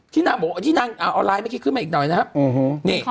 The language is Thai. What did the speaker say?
ที่นางเอาไลน์ไว้คลิกขึ้นมาอีกหน่อยนะครับ